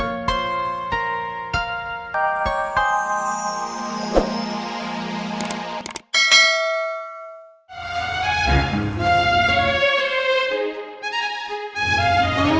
kalo orang tua kita pisah